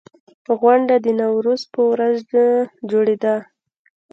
غونډه د نوروز په ورځ جوړېده.